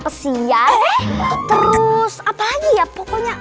pesiar terus apalagi ya pokoknya